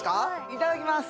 いただきます